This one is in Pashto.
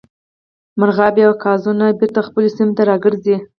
مرغابۍ او قازونه بیرته خپلو سیمو ته راګرځي